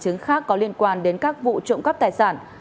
chứng khác có liên quan đến các vụ trộm cắp tài sản